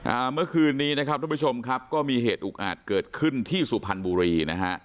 เมื่อคืนนี้นะครับทุกผู้ชมครับก็มีเหตุอุกอาจเกิดขึ้นที่สุพรรณบุรีนะฮะ